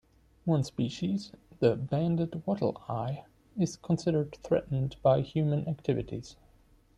One species, the banded wattle-eye, is considered threatened by human activities.